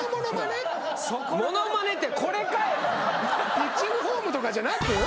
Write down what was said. ピッチングフォームとかじゃなく？